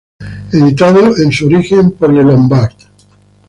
Editados en su origen por Le Lombard